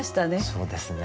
そうですね。